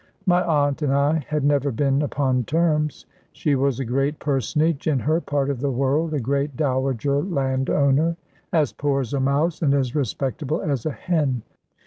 My aunt and I had never been upon terms. She was a great personage in her part of the world, a great dowager land owner, as poor as a mouse, and as respectable as a hen.